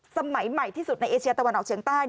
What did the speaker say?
สมัยใหม่ที่สุดในเอเชียตะวันออกเฉียงใต้